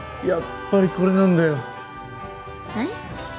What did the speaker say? やっぱりこれなんだよはい？